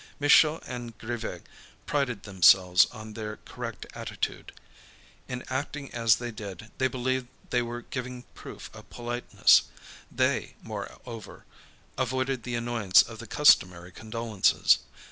Michaud and Grivet prided themselves on their correct attitude. In acting as they did, they believed they were giving proof of politeness; they, moreover, avoided the annoyance of the customary condolences.